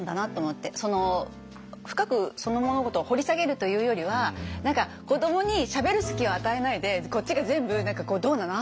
深くその物事を掘り下げるというよりは何か子どもにしゃべる隙を与えないでこっちが全部何かこう「どうなの？